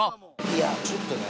いやちょっとね。